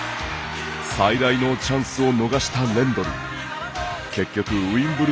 最大のチャンスを逃したレンドル。